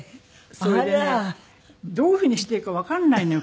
それでねどういうふうにしていいかわからないのよ